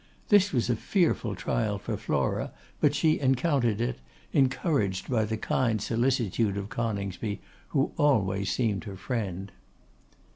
This was a fearful trial for Flora, but she encountered it, encouraged by the kind solicitude of Coningsby, who always seemed her friend.